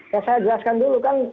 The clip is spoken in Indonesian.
ya saya jelaskan dulu kan